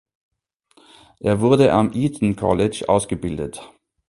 Er wurde am Eton College ausgebildet.